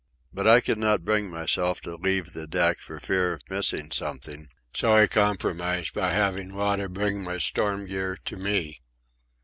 But I could not bring myself to leave the deck for fear of missing something, so I compromised by having Wada bring my storm gear to me.